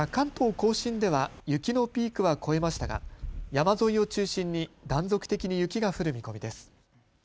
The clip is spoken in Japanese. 甲信では雪のピークは越えましたが山沿いを中心に断続的に雪が降る見込みです。